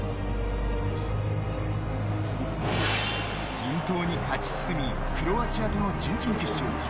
順当に勝ち進みクロアチアとの準々決勝。